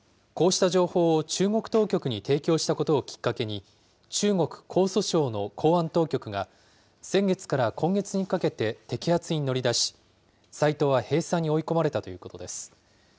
こうした情報を中国当局に提供したことをきっかけに、中国・江蘇省の公安当局が、先月から今月にかけて摘発に乗り出し、サイトは閉鎖に追い込まれたということです。